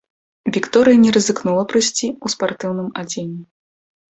Вікторыя не рызыкнула прыйсці ў спартыўным адзенні.